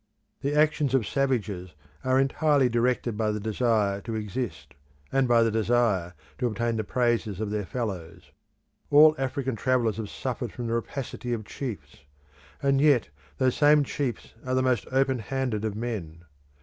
The actions of savages are entirely directed by the desire to exist, and by the desire to obtain the praises of their fellows. All African travellers have suffered from the rapacity of chiefs, and yet those same chiefs are the most open handed of men.